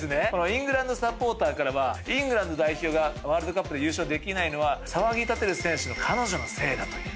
イングランドサポーターからはイングランド代表がワールドカップで優勝できないのは騒ぎ立てる選手の彼女のせいだという。